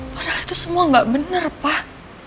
padahal itu semua nggak benar pak